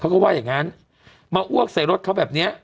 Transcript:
เขาก็ว่าอย่างงั้นมาอ้วกใส่รถเขาแบบเนี้ย